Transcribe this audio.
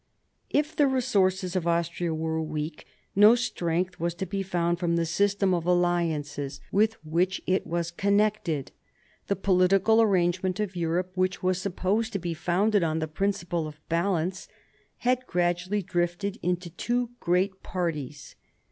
If the resources of Austria were weak, no strength was to be found from the system of alliances with which 10 MARIA THERESA chap, i it was connected. The political arrangement of Europe, which was supposed to be founded on the principle of balance, had gradually drifted into two great parties.